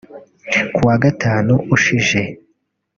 Ku wa Gatanu ushije